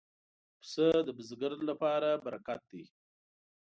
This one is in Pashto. پسه د بزګر لپاره برکت دی.